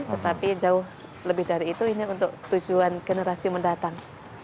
tetapi jauh lebih dari itu ini untuk tujuan generasi mendatang